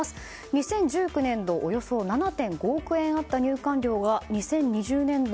２０１９年度およそ７．５億円あった入館料が２０２０年度